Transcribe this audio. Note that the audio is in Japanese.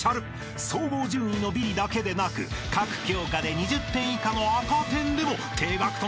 ［総合順位のビリだけでなく各教科で２０点以下の赤点でも停学となってしまうが？］